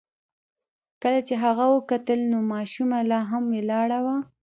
کله چې هغه وکتل نو ماشومه لا هم ولاړه وه.